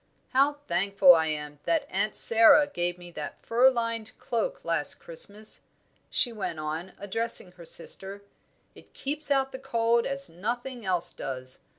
How thankful I am that Aunt Sara gave me that fur lined cloak last Christmas!" she went on, addressing her sister. "It keeps out the cold as nothing else does.